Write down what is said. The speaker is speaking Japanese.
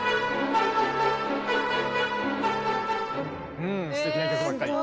うんすてきな曲ばっかり。